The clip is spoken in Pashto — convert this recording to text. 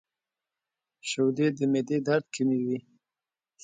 • شیدې د معدې درد کموي.